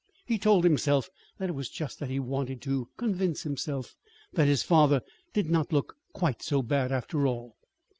He told himself that it was just that he wanted to convince himself that his father did not look quite so bad, after all.